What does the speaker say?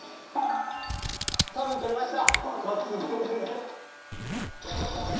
多分撮れました。